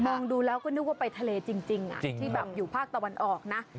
งดูแล้วก็นึกว่าไปทะเลจริงที่แบบอยู่ภาคตะวันออกนะ